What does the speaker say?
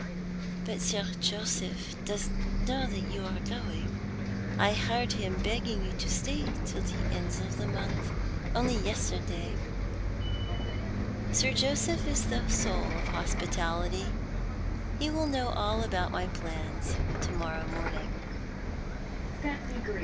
" But Sir Joseph doesn't know that you are going. I heard him begging you to stay till the end of the month — only yesterday." "Sir Joseph is the soul of hospitality. He will know all about my plans to morrow morniug."